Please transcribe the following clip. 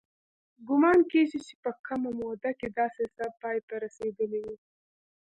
ګومان کېږي چې په کمه موده کې دا سلسله پای ته رسېدلې وي.